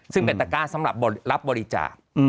ซึ่งเป็นตะก้าสำหรับรับบริจาค